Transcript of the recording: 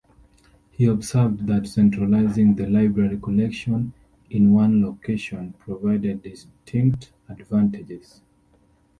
He observed that centralizing the library collection in one location provided distinct advantages.